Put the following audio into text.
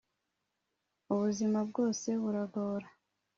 ubuzima bwose buragora